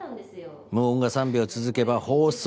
無音が３秒続けば放送事故。